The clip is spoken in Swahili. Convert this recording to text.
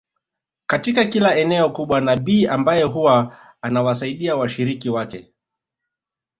Katika kila eneo kuna nabii ambaye huwa anawasaidia washiriki wake